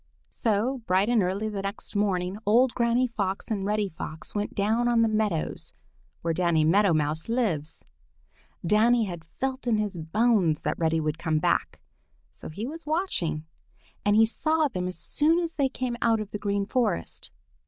So, bright and early the next morning, old Granny Fox and Reddy Fox went down on the meadows where Danny Meadow Mouse lives. Danny had felt in his bones that Reddy would come back, so he was watching, and he saw them as soon as they came out of the Green Forest.